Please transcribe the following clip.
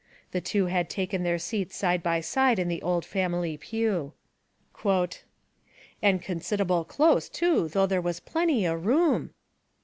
The two had taken their seats side by side in the old family pew. "('And consid'able close, too, though there was plenty o' room!')